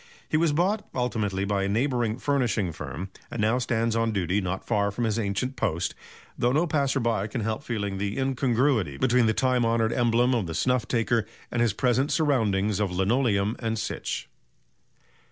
He was bought ultimately by a neighbouring furnishing firm, and now stands on duty not far from his ancient post, though no passer by can help feeling the incongruity between the time honoured emblem of the snuff taker and his present surroundings of linoleum "and sich."